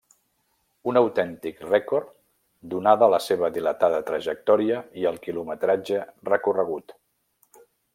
Un autèntic rècord donada la seva dilatada trajectòria i el quilometratge recorregut.